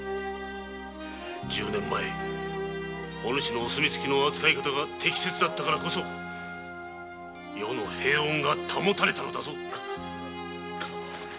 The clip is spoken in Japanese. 十年前お主のお墨付の取り扱いが適切であったからこそ世の平穏は保たれたのだぞ。